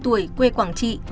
bốn mươi tuổi quê quảng trị